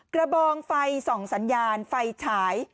บองไฟส่องสัญญาณไฟฉาย